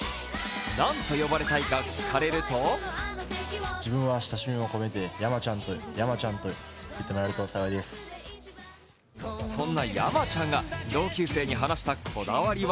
何と呼ばれたいか聞かれるとそんな山ちゃんが同級生に話したこだわりは？。